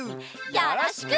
よろしく！